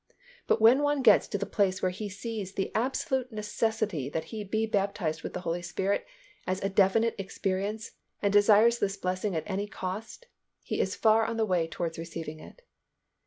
But when one gets to the place where he sees the absolute necessity that he be baptized with the Holy Spirit as a definite experience and desires this blessing at any cost, he is far on the way towards receiving it.